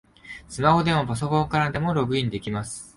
スマホでもパソコンからでもログインできます